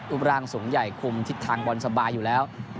อุปราณสงห์ใหญ่คุมที่ทางบอนสบายอยู่แล้ว